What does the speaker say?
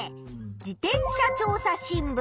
「自転車調査新聞」。